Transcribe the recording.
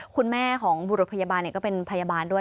คุณแม่ของบุรุษพยาบาลก็เป็นพยาบาลด้วย